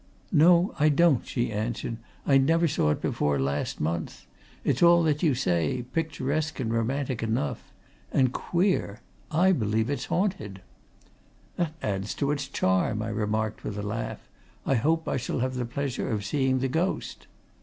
"No, I don't," she answered. "I never saw it before last month. It's all that you say picturesque and romantic enough. And queer! I believe it's haunted." "That adds to its charm," I remarked with a laugh. "I hope I shall have the pleasure of seeing the ghost."